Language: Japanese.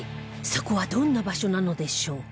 そこはどんな場所なのでしょう？